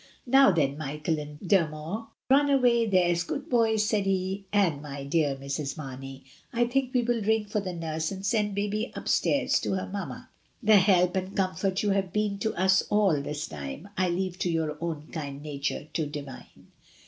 "Now then, Michael and Dermot, run away, there's good boys," said he; "and, my dear Mrs. Marney, I think we will ring for the nurse and send baby upstairs to her mamma. The help and com fort you have been to us all this time I leave to your own kind nature to divine."